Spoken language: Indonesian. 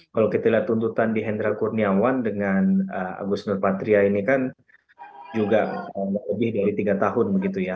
kalau kita lihat tuntutan di hendra kurniawan dengan agus nur patria ini kan juga lebih dari tiga tahun